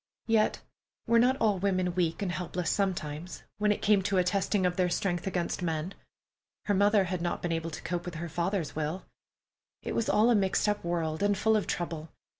Yet, were not all women weak and helpless sometimes, when it came to a testing of their strength against men? Her mother had not been able to cope with her father's will. It was all a mixed up world, and full of trouble.